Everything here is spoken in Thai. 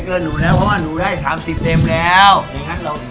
พร้อมไหมที่